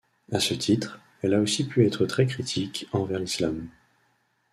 À ce titre, elle a aussi pu être très critique envers l'islam.